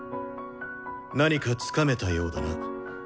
何かつかめたようだな。